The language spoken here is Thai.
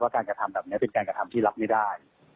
การกระทำแบบนี้เป็นการกระทำที่รับไม่ได้